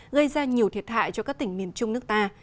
gây ra nhiều thiệt hại cho các tỉnh miền trung nước ta